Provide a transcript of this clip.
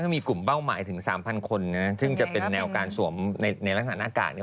มีกลุ่มเป้าหมายถึง๓๐๐คนนะซึ่งจะเป็นแนวการสวมในลักษณะหน้ากากเนี่ย